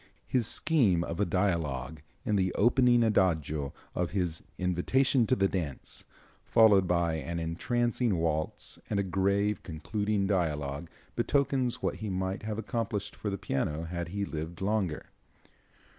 His scheme of a dialogue, in the opening adagio of his "Invitation to the Dance," followed by an entrancing waltz and a grave concluding dialogue, betokens what he might have accomplished for the piano had he lived longer.